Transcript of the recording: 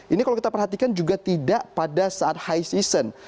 ini kalau kita perhatikan juga tidak pada saat high season